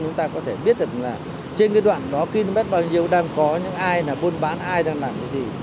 chúng ta có thể biết được là trên cái đoạn đó km bao nhiêu đang có những ai là buôn bán ai đang làm cái gì